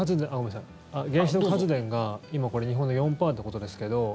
原子力発電が今日本の４％ってことですけど